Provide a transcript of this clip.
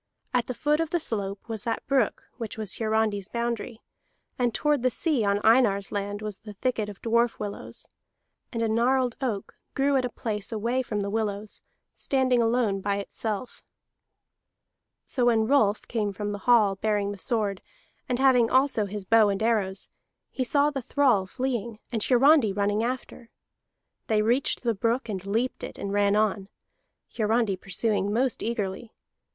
At the foot of the slope was that brook which was Hiarandi's boundary, and toward the sea on Einar's land was the thicket of dwarf willows. And a gnarled oak grew at a place away from the willows, standing alone by itself. So when Rolf came from the hall, bearing the sword, and having also his bow and arrows, he saw the thrall fleeing, and Hiarandi running after. They reached the brook, and leaped it, and ran on, Hiarandi pursuing most eagerly.